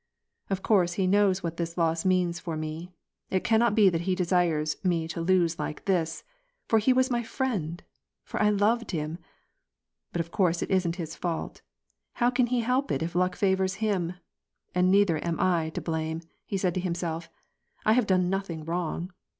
'' Of course he knows what this loss means for me. It can not be that he desires me to lose like this. F6r he was mj friend. For I loved him. But of course it isn't his fault ; how can he help it if luck favors him ? And neither am I to blame," said he to himself. ''I have done nothing wrong.